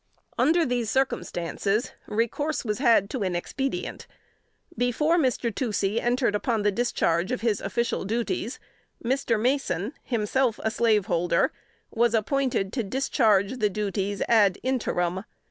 Under these circumstances, recourse was had to an expedient. Before Mr. Toucey entered upon the discharge of his official duties, Mr. Mason, himself a slaveholder, was appointed to discharge the duties ad interim.